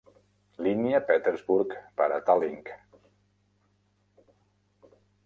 Línia Petersburg per a Tallink.